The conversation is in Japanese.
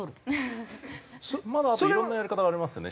まだあといろんなやり方がありますよね。